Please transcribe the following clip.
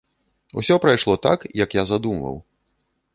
Усё прайшло так, як я задумваў.